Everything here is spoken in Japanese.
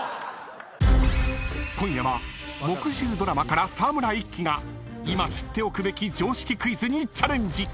［今夜は木１０ドラマから沢村一樹が今知っておくべき常識クイズにチャレンジ］